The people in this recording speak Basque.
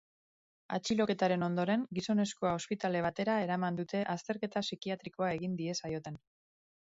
Atxiloketaren ondoren, gizonezkoa ospitale batera eraman dute azterketa psikiatrikoa egin diezaioten.